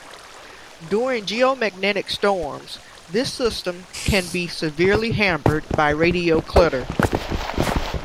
During geomagnetic storms, this system can be severely hampered by radio clutter.